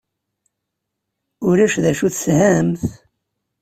Ulac d acu i teshamt?